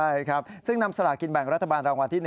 ใช่ครับซึ่งนำสลากินแบ่งรัฐบาลรางวัลที่๑